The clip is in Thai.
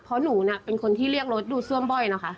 เพราะหนูเป็นคนที่เรียกรถดูซ่วมบ่อยนะคะ